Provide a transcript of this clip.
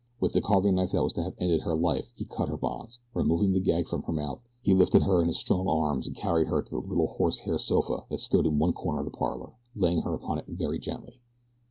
With the carving knife that was to have ended her life he cut her bonds. Removing the gag from her mouth he lifted her in his strong arms and carried her to the little horsehair sofa that stood in one corner of the parlor, laying her upon it very gently.